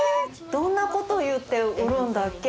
どんなこと言って売るんだっけ？